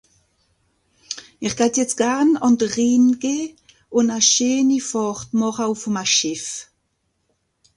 ir datt jetzt garn àn de Rìhn geh un a scheeni Fàhrt màche ùff'm a Schìff